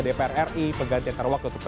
dpr ri pengganti antarawak